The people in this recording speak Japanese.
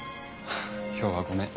今日はごめん。